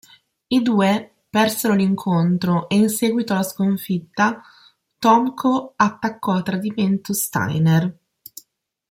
I due persero l'incontro e in seguito alla sconfitta, Tomko attaccò a tradimento Steiner.